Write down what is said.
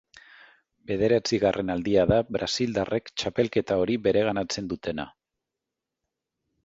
Bederatzigarren aldia da brasildarrek txapelketa hori bereganatzen dutena.